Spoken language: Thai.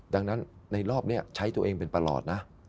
ดังนั้นในรอบนี้ใช้ตัวเองเป็นประหลอดนะ